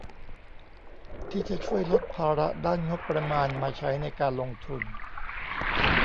ที่จะช่วยลดภาระด้านงบประมาณมาใช้ในการลงทุน